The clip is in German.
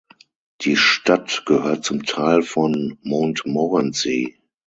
Die Stadt gehört zum Tal von Montmorency.